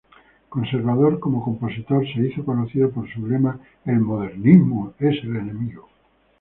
Conservador como compositor, se hizo conocido por su lema "el modernismo es el enemigo".